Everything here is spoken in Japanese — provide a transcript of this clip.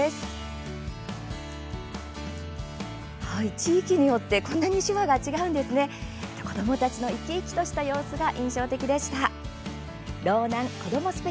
地域によってこんなに手話って違うものなんですね。